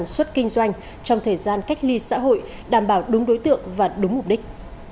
xuất kinh doanh trong thời gian cách ly xã hội đảm bảo đúng đối tượng và đúng mục đích